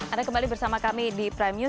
anda kembali bersama kami di prime news